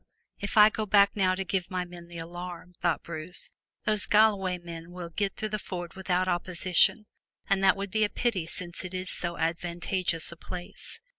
"If I go back now to give my men the alarm," thought Bruce, "those Galloway men will get through the ford without opposition, and that would be a pity since it is so advantageous a place."